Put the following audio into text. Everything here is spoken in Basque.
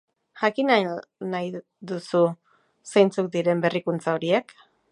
Jakin al nahi duzu zeintzuk diren berrikuntza horiek?